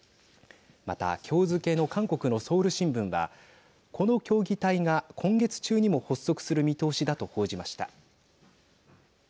また、きょう付けの韓国のソウル新聞はこの協議体が今月中にも発足する見通しだと報じました。